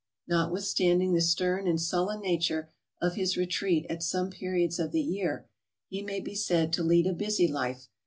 Notwithstanding the stern and sullen nature of his retreat at some periods of the year, he may be said to lead a busy life. GUNGOOTKEE.